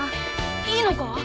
いいのか？